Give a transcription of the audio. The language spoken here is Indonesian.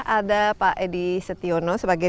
ada pak edi setiono sebagai